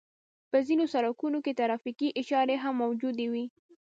په ځينو سړکونو کې ترافيکي اشارې هم موجودې وي.